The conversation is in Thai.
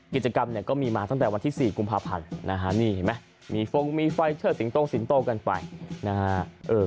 กิจกรรมก็มีมาตั้งแต่วันที่๔กุมภาพันธ์มีฟ้องมีไฟเชิดสิงโตสิงโตกันไป